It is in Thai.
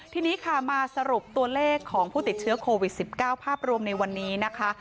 ทีนี้ค่ะมาสรุปตัวเลขของผู้ติดเชื้อโควิด๑๙ภาพรวมในวันนี้นะคะ